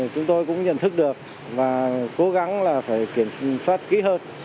chúng tôi cũng nhận thức được và cố gắng là phải kiểm soát kỹ hơn